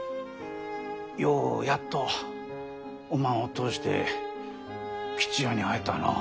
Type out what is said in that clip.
ようやっとおまんを通して吉也に会えたのう。